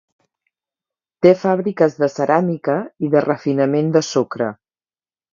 Té fàbriques de ceràmica i de refinament de sucre.